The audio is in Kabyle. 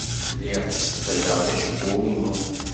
Lliɣ ttseḍḍileɣ-d acebbub-inu.